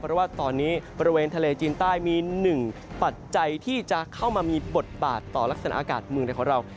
เพราะว่าตอนนี้บริเวณทะเลจีนใต้มีหนึ่งปัจจัยที่จะเข้ามามีบทบาทต่อลักษณะอากาศเมืองในของเรา